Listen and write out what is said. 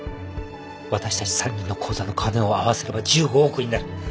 私たち３人の口座の金を合わせれば１５億になる。